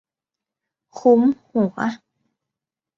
คุ้ม หัว